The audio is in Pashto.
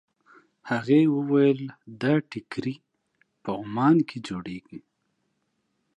هغې وویل دا ټیکري په عمان کې جوړېږي.